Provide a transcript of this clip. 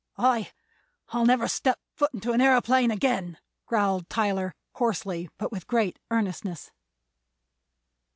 "I—I'll never step foot in an aëroplane again!" growled Tyler, hoarsely but with great earnestness.